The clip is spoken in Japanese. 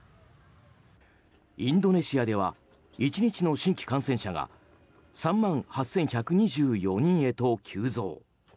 インドネシアでは１日の新規感染者が３万８１２４人へと急増。